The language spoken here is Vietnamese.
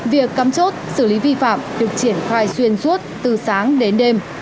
việc cắm chốt xử lý vi phạm được triển khai xuyên suốt từ sáng đến đêm